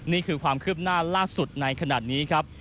นี่คือความคืบหน้าล่าสุดในขณะนี้ครับ